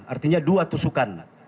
artinya dua tusukan